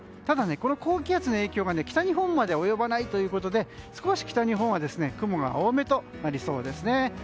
ただ、高気圧の影響が北日本まで及ばないということで少し北日本は雲が多めとなりそうです。